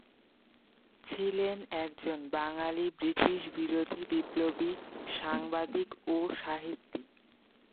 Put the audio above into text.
ছিলেন একজন বাঙালি ব্রিটিশবিরোধী বিপ্লবী, সাংবাদিক ও সাহিত্যিক।